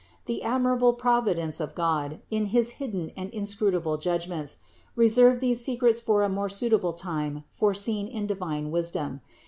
The admirable providence of God, in his hidden and inscrutable judgments, reserved these secrets for a more suitable time foreseen in divine wis dom.